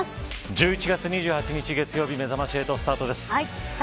１１月２８日月曜日めざまし８スタートです。